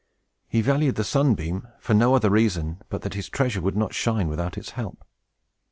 He valued the sunbeam for no other reason but that his treasure would not shine without its help.